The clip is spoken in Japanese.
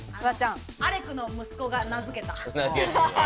アレクの息子が名付けた。